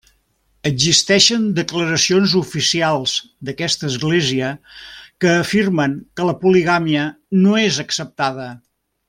Existeixen declaracions oficials d'aquesta església que afirmen que la poligàmia no és acceptada.